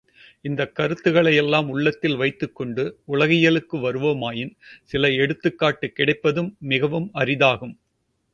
இந்தக் கருத்துகளை யெல்லாம் உள்ளத்தில் வைத்துக் கொண்டு உலகியலுக்கு வருவோமாயின், சில எடுத்துக்காட்டு கிடைப்பதும் மிகவும் அரிதாகும்.